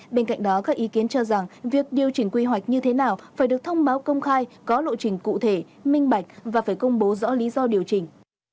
bên cạnh đó các ý kiến cho rằng việc điều chỉnh quy hoạch như thế nào phải được thông báo công khai có lộ trình cụ thể minh bạch và phải công bố rõ lý do điều chỉnh